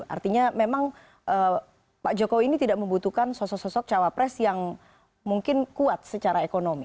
artinya memang pak jokowi ini tidak membutuhkan sosok sosok cawapres yang mungkin kuat secara ekonomi